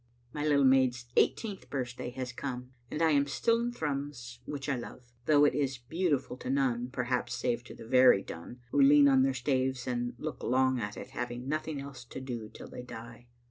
My little maid's eighteenth birthday has come, and I am still in Thrums, which I love, though it is beau tiful to none, perhaps, save to the very done, who lean on their staves and look long at it, having nothing else to do till they die.